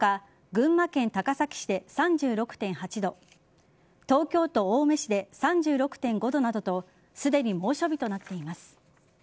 群馬県高崎市で３６．８度東京都青梅市で３６．５度などとすでに猛暑日となっています。